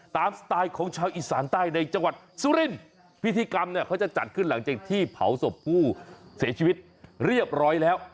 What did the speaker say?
สไตล์ของชาวอีสานใต้ในจังหวัดสุรินทร์พิธีกรรมเนี่ยเขาจะจัดขึ้นหลังจากที่เผาศพผู้เสียชีวิตเรียบร้อยแล้ว